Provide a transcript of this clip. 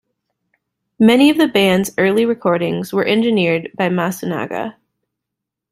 Many of the band's early recordings were engineered by Masunaga.